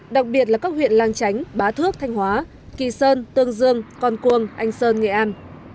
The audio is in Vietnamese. đặc biệt là các huyện lang chánh bá thước thanh hóa kỳ sơn tương dương con cuông anh sơn nghệ an